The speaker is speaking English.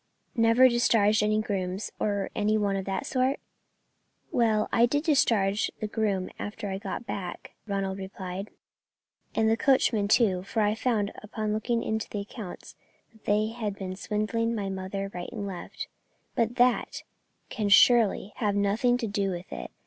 "Never discharged any grooms, or any one of that sort?" "Well, I did discharge the groom after I got back," Ronald replied, "and the coachman too, for I found, upon looking into the accounts, that they had been swindling my mother right and left; but that can surely have nothing to do with it.